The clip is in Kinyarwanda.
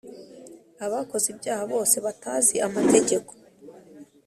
Abakoze ibyaha bose batazi amategeko